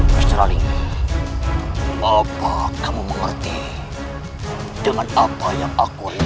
kecuali apa kamu mengerti dengan apa yang aku inginkan